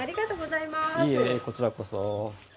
いいえこちらこそ。